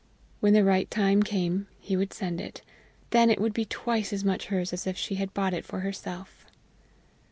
When the right time came, he would send it. Then it would be twice as much hers as if she had bought it for herself.